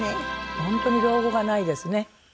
本当に老後がないですね。